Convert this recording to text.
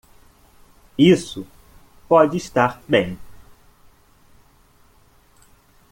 Isso pode estar bem.